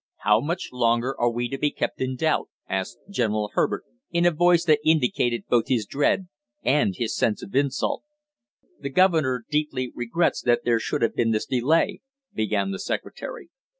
"How much longer are we to be kept in doubt?" asked General Herbert, in a voice that indicated both his dread and his sense of insult. "The governor deeply regrets that there should have been this delay " began the secretary.